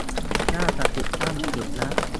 น่าจะติดตั้งผิดนะ